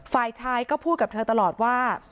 ฝ่ายชายก็พูดกับเธอตลอดว่า